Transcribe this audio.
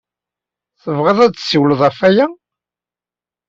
Tebɣid ad d-tessiwled ɣef waya?